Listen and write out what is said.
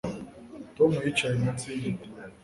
Tom yicaye munsi yigiti